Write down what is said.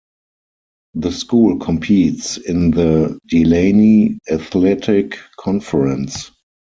The school competes in the Delaney Athletic Conference.